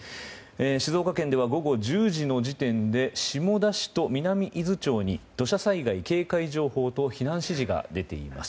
静岡県では午後１０時の時点で下田市と南伊豆町に土砂災害警戒情報と避難指示が出ています。